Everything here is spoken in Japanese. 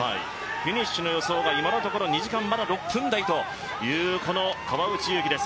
フィニッシュの予想が今のところ２時間６分台という川内優輝です。